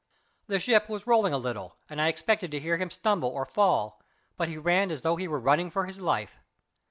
The ship was rolling a little, and I expected to hear him stumble or fall, but he ran as though he were running for his life.